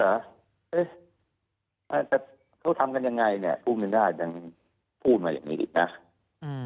เอ๊ะแต่เขาทำกันยังไงเนี่ยพูดไม่ได้ยังพูดมาอย่างงี้อีกนะอืม